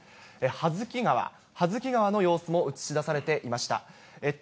羽月川、羽月川の様子も映し出されていました。